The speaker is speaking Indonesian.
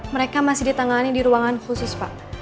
mereka masih ditangani di ruangan khusus pak